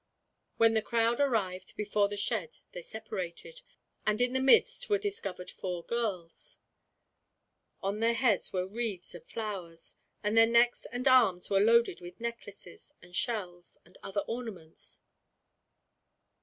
When the crowd arrived before the shed they separated, and in the midst were discovered four girls. On their heads were wreaths of flowers, and their necks and arms were loaded with necklaces, and shells, and other ornaments.